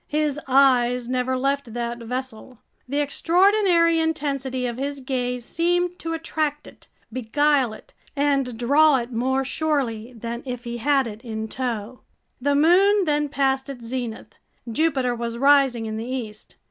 His eyes never left that vessel. The extraordinary intensity of his gaze seemed to attract it, beguile it, and draw it more surely than if he had it in tow! The moon then passed its zenith. Jupiter was rising in the east.